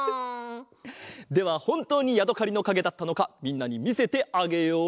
ではほんとうにやどかりのかげだったのかみんなにみせてあげよう！